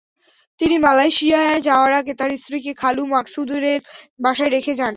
তিনি মালয়েশিয়া যাওয়ার আগে তার স্ত্রীকে খালু মাকসুদুরের বাসায় রেখে যান।